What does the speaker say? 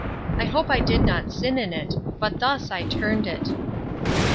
I hope I did not sin in it; but thus I turned it: I.